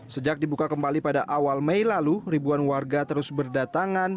sejak dibuka kembali pada awal mei lalu ribuan warga terus berdatangan